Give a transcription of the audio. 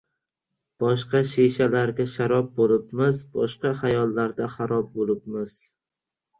Boshqa shishalarga sharob bo‘libmiz, boshqa xayollarda harob bo‘libmiz.